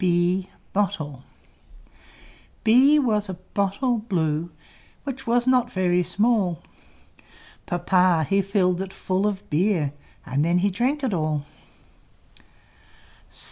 B B was a Bottle blue, Which was not very small; Papa he filled it full of beer, And then he drank it all.